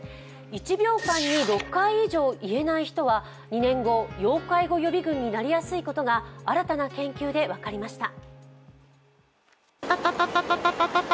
１秒間に６回以上言えない人は２年後、要介護予備群になりやすいことが新たな研究で分かりました。